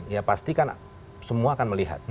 ya pasti kan semua akan melihat